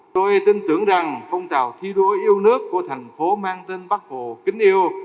tôi tin tưởng rằng phong trào thi đua yêu nước của thành phố mang tên bắc hồ kính yêu